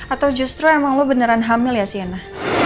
atau justru emang lo beneran hamil ya siana